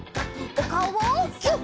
おかおをギュッ！